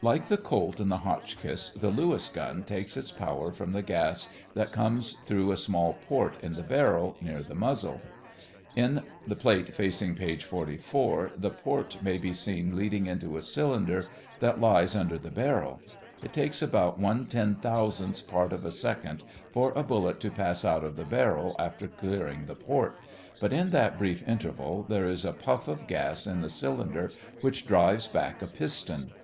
Like the Colt and the Hotchkiss, the Lewis gun takes its power from the gas that comes through a small port in the barrel, near the muzzle. In the plate facing page 44 the port may be seen leading into a cylinder that lies under the barrel. It takes about one ten thousandth part of a second for a bullet to pass out of the barrel after clearing the port, but in that brief interval there is a puff of gas in the cylinder which drives back a piston.